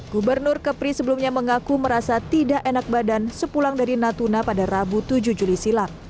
gubernur kepri sebelumnya mengaku merasa tidak enak badan sepulang dari natuna pada rabu tujuh juli silam